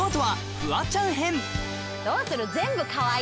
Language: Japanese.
どうする？